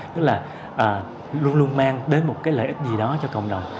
tức là luôn luôn mang đến một cái lợi ích gì đó cho cộng đồng